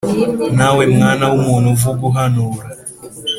Nawe mwana w umuntu vuga uhanura